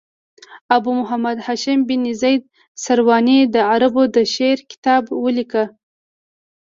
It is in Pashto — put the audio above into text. ابو محمد هاشم بن زید سرواني د عربو د شعر کتاب ولیکه.